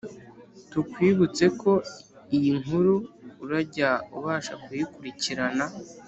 tukwibutseko iyi nkuru urajya ubasha kuyikurikirana